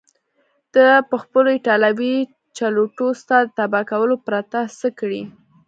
ده پخپلو ایټالوي چلوټو ستا د تباه کولو پرته څه کړي.